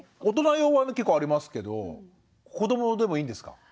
大人用は結構ありますけど子どもでもいいんですか？